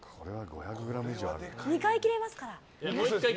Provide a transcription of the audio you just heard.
２回切れますから。